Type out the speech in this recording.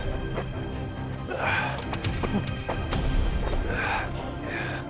sedang akan kami lanjutkan